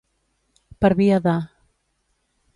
Per via de.